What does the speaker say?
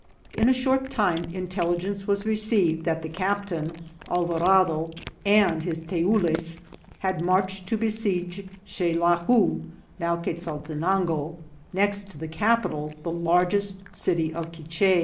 In a short time intelligence was received that the captain (Alvarado) and his Teules had marched to besiege Xelahuh (now Quezaltenango), next to the cap ital the largest city of Quiche.